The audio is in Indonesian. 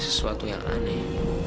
sesuatu yang aneh